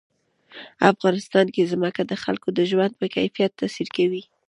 افغانستان کې ځمکه د خلکو د ژوند په کیفیت تاثیر کوي.